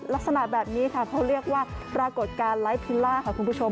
ลักษณะแบบนี้ค่ะเขาเรียกว่าปรากฏการณ์ไลฟ์พิล่าค่ะคุณผู้ชม